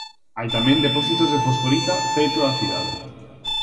Hai tamén depósitos de fosforita preto da cidade.